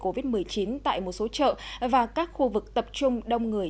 covid một mươi chín tại một số chợ và các khu vực tập trung đông người